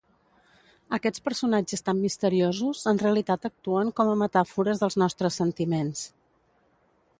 Aquests personatges tan misteriosos en realitat actuen com a metàfores dels nostres sentiments.